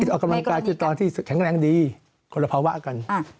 ออกกำลังกายคือตอนที่แข็งแรงดีคนละภาวะกัน